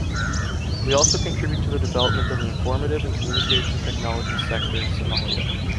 We also contribute to the development of an informative and communication technologies sector in Somalia.